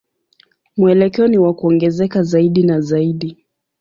Mwelekeo ni wa kuongezeka zaidi na zaidi.